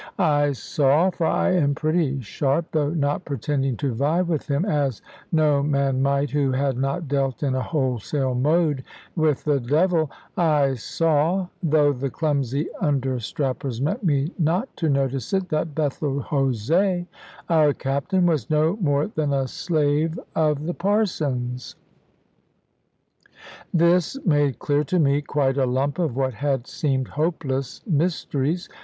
I saw for I am pretty sharp, though not pretending to vie with him, as no man might who had not dealt in a wholesale mode with the devil I saw (though the clumsy under strappers meant me not to notice it) that Bethel Jose, our captain, was no more than a slave of the Parson's. This made clear to me quite a lump of what had seemed hopeless mysteries.